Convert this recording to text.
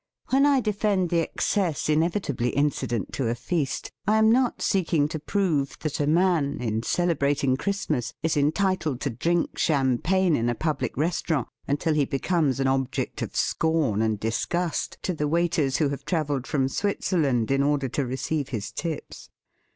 When I defend the excess inevitably incident to a feast, I am not seeking to prove that a man in celebrating Christ mas is entitled to drink champagne in a public restaurant until he becomes an object of scorn and disgust to the wait ers who have travelled from Switzer land in order to receive his tips.